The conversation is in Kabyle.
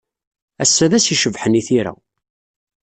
Ass-a d ass icebḥen i tira.